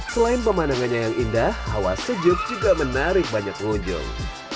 selain pemandangannya yang indah hawa sejuk juga menarik banyak pengunjung